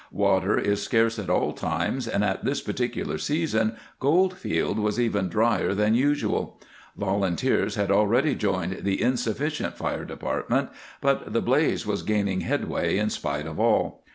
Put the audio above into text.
Water is scarce at all times, and at this particular season Goldfield was even drier than usual. Volunteers had already joined the insufficient fire department, but the blaze was gaining headway in spite of all.